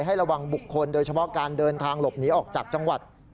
ให้ระวังบุคคลโดยเฉพาะการเดินทางหลบหนีออกจากจังหวัด